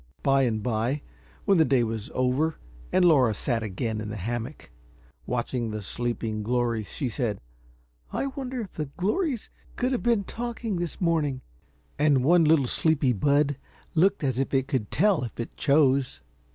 By and by, when the day was over, and Laura sat again in the hammock, watching the sleeping glories, she said: "I wonder if the glories could have been talking this morning; "and one little sleepy bud looked as if it could tell if it chose.